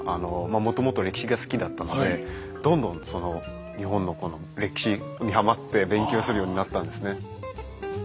もともと歴史が好きだったのでどんどんその日本のこの歴史にはまって勉強するようになったんですね。